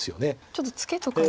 ちょっとツケとか。